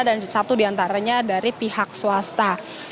dan satu diantaranya dari pihak swasta